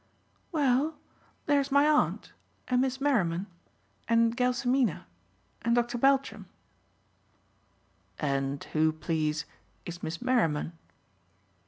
"Well, there's my aunt, and Miss Merriman, and Gelsomina, and Dr. Beltram." "And who, please, is Miss Merriman?"